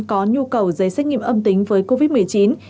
có nhu cầu giấy xét nghiệm âm tính với covid một mươi chín